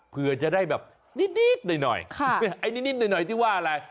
เพื่อจะได้แบบนิดหน่อยไอ้นิดหน่อยที่ว่าอะไร